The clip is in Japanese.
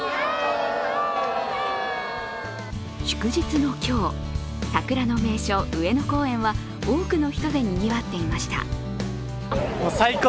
祝日の今日、桜の名所上野公園は多くの人でにぎわっていました。